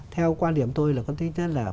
theo quan điểm tôi là có tinh chất là